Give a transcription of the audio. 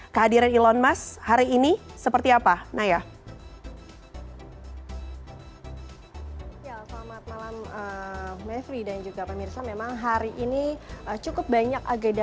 kehadiran elon musk hari ini seperti apa naya